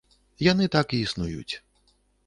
Яны так і існуюць.